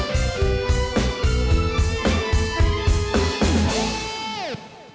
gak pasti ad syllabus dusnya